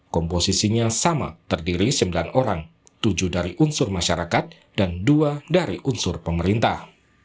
komposisinya sama terdiri sembilan orang tujuh dari unsur masyarakat dan dua dari unsur pemerintah